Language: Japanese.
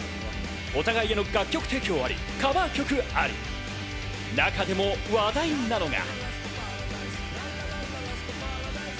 お互いへの楽曲提供あり、カバー曲あり、中でも話題なのが。